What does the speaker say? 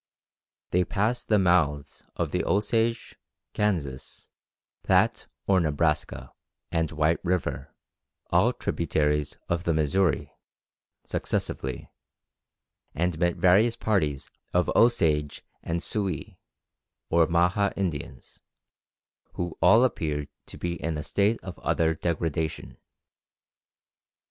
They passed the mouths of the Osage, Kansas, Platte or Nebraska, and White River, all tributaries of the Missouri, successively, and met various parties of Osage and Sioux, or Maha Indians, who all appeared to be in a state of utter degradation.